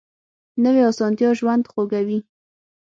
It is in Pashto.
نوې اسانتیا ژوند خوږوي